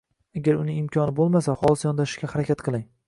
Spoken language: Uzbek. Agar uning imkoni bo‘lmasa, xolis yondoshishga harakat qiling.